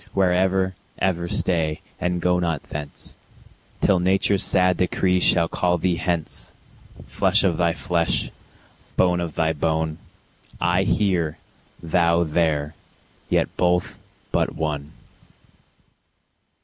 Where ever, ever stay, and go not thence, Till nature's sad decree shall call thee hence; Flesh of thy flesh, bone of thy bone, I here, thou there, yet both but one.